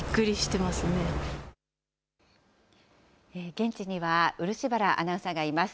現地には、漆原アナウンサーがいます。